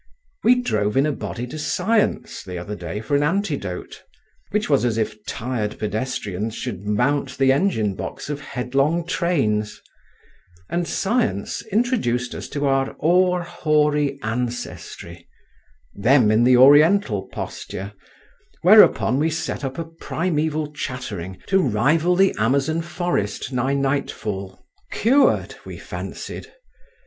We drove in a body to Science the other day for an antidote; which was as if tired pedestrians should mount the engine box of headlong trains; and Science introduced us to our o'er hoary ancestry them in the Oriental posture; whereupon we set up a primaeval chattering to rival the Amazon forest nigh nightfall, cured, we fancied.